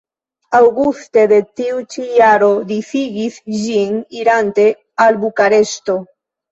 Aŭguste de tiu ĉi jaro disigis ĝin irante al Bukareŝto.